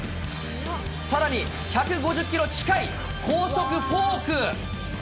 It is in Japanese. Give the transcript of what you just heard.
さらに、１５０キロ近い高速フォーク。